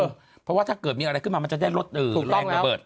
เพราะว่าถ้าเกิดมีอะไรขึ้นมามันจะได้ลดแรงระเบิด